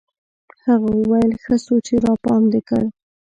هغه ويل ښه سو چې راپام دي کړ.